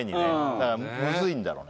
だからむずいんだろうね。